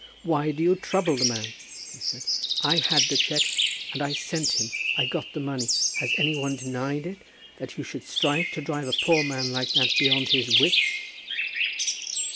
"Why do you trouble the man?" he said. "I had the cheque, and I sent him; I got the money. Has any one denied it, that you should strive to drive a poor man like that beyond his wits?"